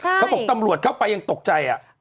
เขาบอกตำรวจเข้าไปยังตกใจ